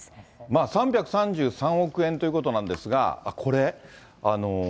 まあ、３３３億円ということなんですが、これ？